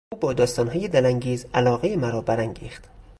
او با داستانهای دلانگیز علاقهی مرا برانگیخت.